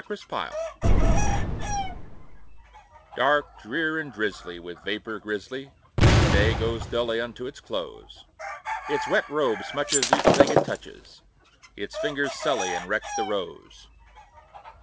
A WET DAY Dark, drear, and drizzly, with vapor grizzly, The day goes dully unto its close; Its wet robe smutches each thing it touches, Its fingers sully and wreck the rose.